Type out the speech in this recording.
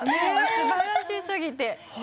すばらしすぎて。